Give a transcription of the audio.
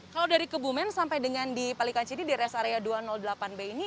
kalau dari kebumen sampai dengan di palikancini di res area dua ratus delapan b ini